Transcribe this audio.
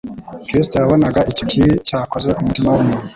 Kristo yabonaga icyo kibi cyakoze umutima w'umuntu;